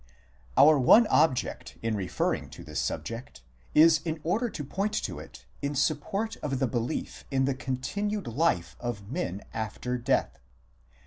Our one object in referring to this subject is in order to point to it in support of the belief in the continued life of men after death.